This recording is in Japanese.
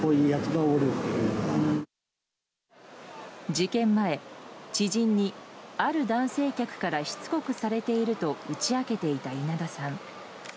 事件前、知人にある男性客からしつこくされていると打ち明けていた稲田さん。